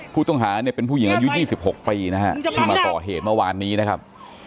ผู้ต้องหาเนี่ยเป็นผู้หญิงอายุ๒๖ปีนะฮะที่มาก่อเหตุเมื่อวานนี้นะครับ